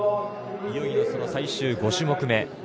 いよいよ、その最終５種目め。